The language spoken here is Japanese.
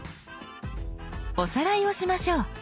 おさらいをしましょう。